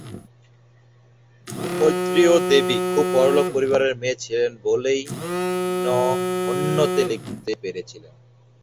মৈত্রেয়ী দেবী খুব বড়লোক পরিবারের মেয়ে ছিলেন বলেই ন হন্যতে লিখতে পেরেছিলেন।